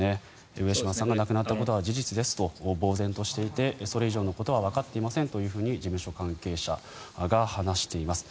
上島さんが亡くなったことは事実ですとぼうぜんとしていてそれ以上のことはわかっていませんと事務所関係者が話しています。